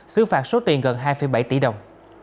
xứ phạt số tiền gần hai bảy tỷ đồng